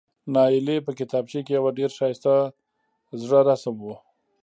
نایلې په کتابچه کې یو ډېر ښایسته زړه رسم و،